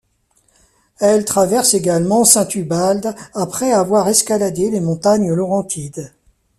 Elle traverse également Saint-Ubalde après avoir escaladé les montagnes Laurentides.